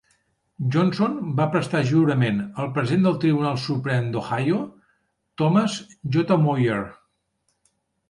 Johnson va prestar jurament al president del Tribunal Suprem d'Ohio, Thomas J. Moyer.